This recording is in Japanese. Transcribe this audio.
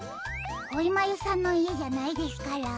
こいまゆさんのいえじゃないですから。